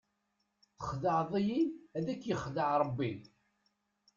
Texdeɛḍ-iyi ad k-yexdeɛ rebbi!